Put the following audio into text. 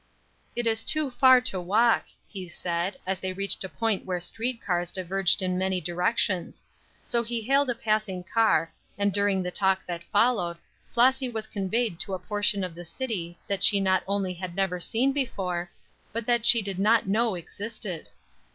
"It is too far to walk," he said, as they reached a point where street cars diverged in many directions; so he hailed a passing car, and during the talk that followed, Flossy was conveyed to a portion of the city she not only had never seen before, but that she did not know existed.